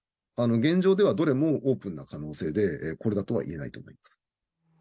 現状ではどれも可能性で、これだとはいえないと思います。